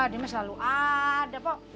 dia mah selalu ada pok